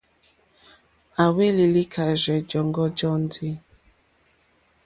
À hwélì lìkàrzɛ́ jɔǃ́ɔ́ŋɡɔ́ jóndì.